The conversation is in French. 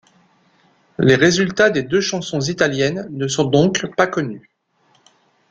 Les résultats des deux chansons italiennes ne sont donc pas connus.